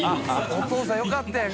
お父さんよかったやん！